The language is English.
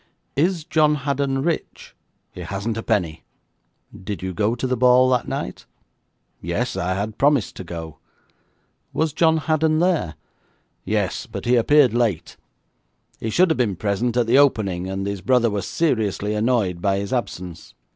'Is John Haddon rich?' 'He hasn't a penny.' 'Did you go to the ball that night?' 'Yes, I had promised to go.' 'Was John Haddon there?' 'Yes; but he appeared late. He should have been present at the opening, and his brother was seriously annoyed by his absence.